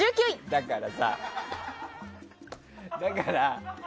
だからさ、だから。